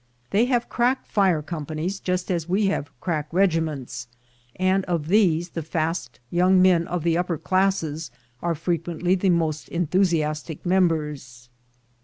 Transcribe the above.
They have crack fire companies just as we have crack regiments, and of these the fast young men of the upper classes are frequently the most enthusiastic members.